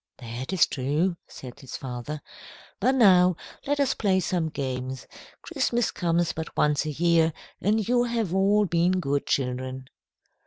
"That is true," said his father. "But now, let us play some games. Christmas comes but once a year, and you have all been good children."